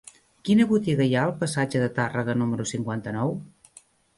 Quina botiga hi ha al passatge de Tàrrega número cinquanta-nou?